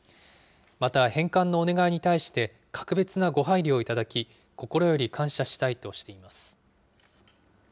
また、返還のお願いに対して、格別なご配慮をいただき、心より感謝したいとしています。